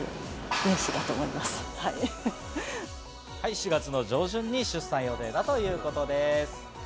４月の上旬に出産予定だということです。